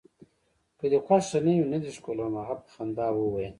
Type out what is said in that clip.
که دي خوښه نه وي، نه دي ښکلوم. هغه په خندا وویل.